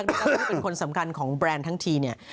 ซึ่งเป็นคนสำคัญของแบรนด์ทั้งทีเนี่ย